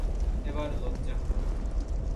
এবার লজ্জা হল।